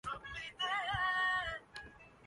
محمد عرفان کا T twenty cricket میں حیرت انگیز ریکارڈ